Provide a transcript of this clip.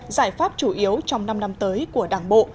giải pháp chủ yếu trong năm năm tới của đảng bộ